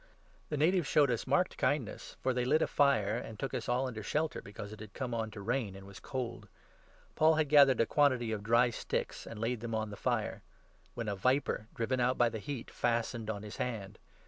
The natives showed us 2 marked kindness, for they lit a fire and took us all under shelter, because it had come on to rain and was cold. Paul had 3 gathered a quantity of dry sticks and laid them on the fire, when a viper, driven out by the heat, fastened on his hand.